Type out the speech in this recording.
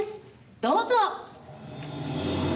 どうぞ。